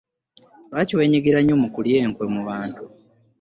Lwaki wenyigira nnyo mu kulya enkwe mu bantu?